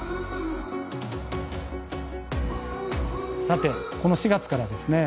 さてこの４月からですね